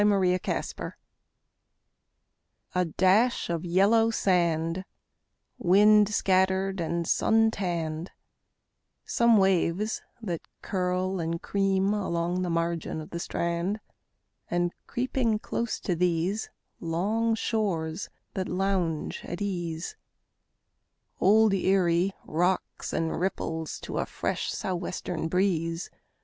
ERIE WATERS A dash of yellow sand, Wind scattered and sun tanned; Some waves that curl and cream along the margin of the strand; And, creeping close to these Long shores that lounge at ease, Old Erie rocks and ripples to a fresh sou' western breeze.